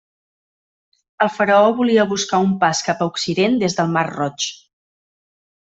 El faraó volia buscar un pas cap a occident des del mar Roig.